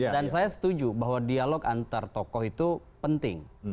dan saya setuju bahwa dialog antar tokoh itu penting